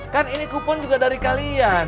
kan ini kupon juga dari kalian